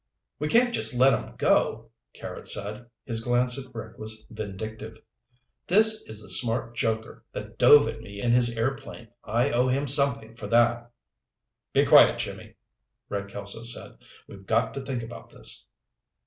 "We can't just let 'em go," Carrots said. His glance at Rick was vindictive. "This is the smart joker that dove at me in his airplane. I owe him somethin' for that." "Be quiet, Jimmy," Red Kelso said. "We've got to think about this."